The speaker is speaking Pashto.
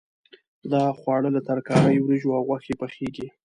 دا خواړه له ترکارۍ، وریجو او غوښې پخېږي.